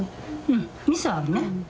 うんみそ合うね。